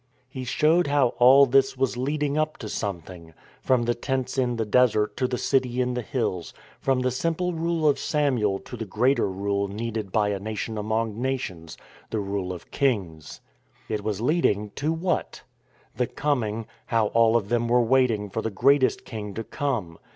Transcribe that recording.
He showed how all this was leading up to something — from the tents in the desert to the city in the hills, from the simple rule of Samuel to the greater rule needed by a nation among nations — the rule of kings. It was leading to what? The coming — how all of them were waiting for the greatest King to come!